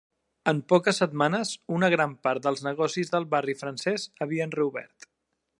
En poques setmanes, una gran part dels negocis del Barri Francès havia reobert.